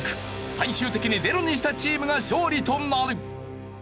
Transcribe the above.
最終的にゼロにしたチームが勝利となる。